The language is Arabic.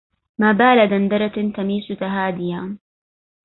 ما بال دندرة تميس تهاديا